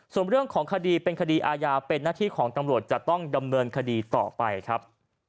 ส่วนเรื่องของคดีเป็นคดีอาญาเป็นหน้าที่ของตำรวจจะต้องดำเนินคดีต่อไปครับ